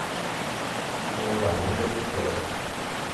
Wellah ma yuɣ-itt kra.